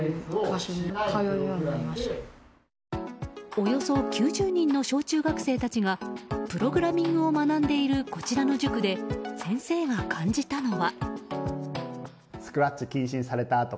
およそ９０人の小中学生たちがプログラミングを学んでいるこちらの塾で先生が感じたのは。